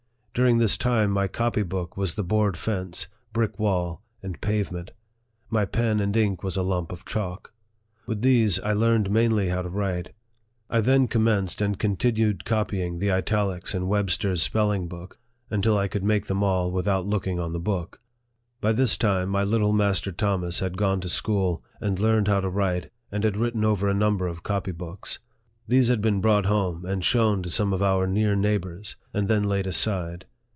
During this time, my copy book was the board fence, brick wall, and pavement ; my pen and ink was a lump of chalk. With these, I learned mainly how to write. I then commenced and continued copying the Italics in 44 NARRATIVE OF THE Webster's Spelling Book, until I could make them aU without looking on the book. By this time, my little Master Thomas had gone to school, and learned how to write, and had written over a number of copy books. These had been brought home, and shown to some of our near neighbors, and then laid aside.